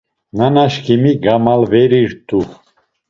Nanaşǩimi gamalverirt̆u.